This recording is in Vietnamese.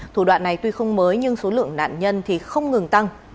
thủ đoạn này tuy không mới nhưng số lượng nạn nhân thì không ngừng tăng